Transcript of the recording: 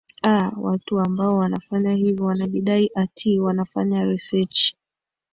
a watu ambao wanafanya hivyo wanajidai ati wanafanya researchi